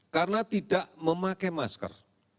karena tidak memakai masker